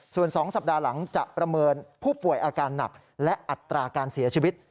ส่วน๒สัปดาห์หลังจะประเมินผู้ป่วยอาการหนักและอัตราการเสียชีวิต